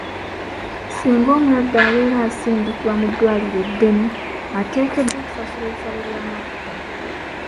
Singa omulwadde abeera asindikibwa mu ddwaliro eddene, ateekeddwa okusasula ebisale by'amafuta.